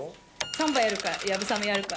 サンバやるか流鏑馬やるか。